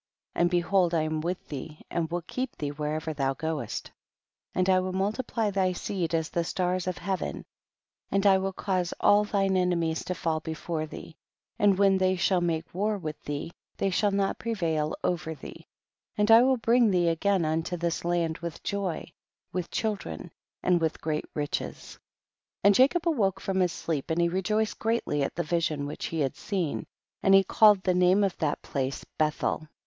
2. And behold I am with thee and will keep thee wherever thou goest, and I will multiply thy seed as the stars of Heaven, and I will cause all thine enemies lo fall before thee ; and when they shall make war with thee they shall not prevail over thee, and I will bring thee again unto this land with joy, with children, and with great riches. 3. And Jacob awoke from his sleep and he rejoiced greatly at the vision which he had seen ; and he called the name of that place Bethel.